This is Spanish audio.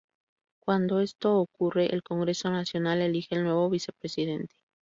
Cuando esto ocurre, el Congreso Nacional elige al nuevo vicepresidente.